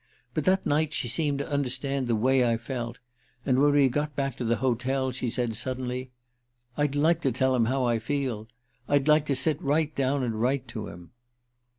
But that night she seemed to understand the way I felt. And when we got back to the hotel she said suddenly: 'I'd like to tell him how I feel. I'd like to sit right down and write to him.